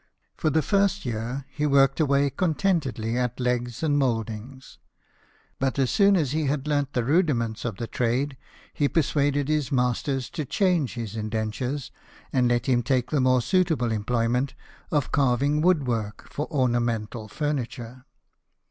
For the first year, he worked away contentedly at legs and mouldings ; but as soon as he had learnt the rudiments of the trade he persuaded his masters to change his indentures, and let him take the more suitable employment of carving woodwork for ornamental furniture.